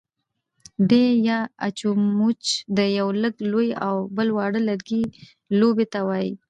ډی يا اچموچ د يوۀ لږ لوی او بل واړۀ لرګي لوبې ته وايي.